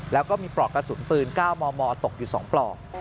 แล้วก็มีปลอกกระสุนปืน๙มมตกอยู่๒ปลอก